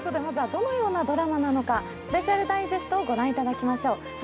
まずはどのようなドラマなのか、スペシャルダイジェストを御覧いただきましょう。